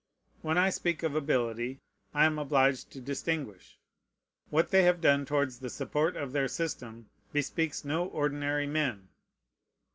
When I speak of ability, I am obliged to distinguish. What they have done towards the support of their system bespeaks no ordinary men.